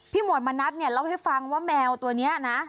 หมวดมณัฐเนี่ยเล่าให้ฟังว่าแมวตัวนี้นะ